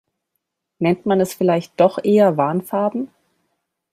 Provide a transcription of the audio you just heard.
Nennt man es vielleicht doch eher Warnfarben?